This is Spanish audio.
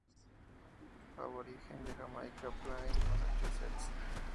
Aborigen de Jamaica Plain, Massachusetts.